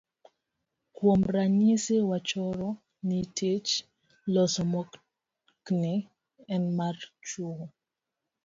Kuom ranyisi, wachoro ni tich loso mtokni en mar chwo.